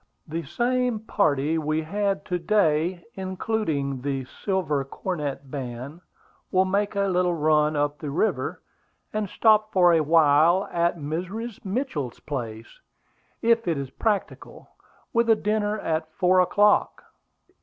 "The same party we had to day, including the Silver Cornet Band, will make a little run up the river, and stop for a while at Mrs. Mitchell's place, if it is practicable, with a dinner at four o'clock."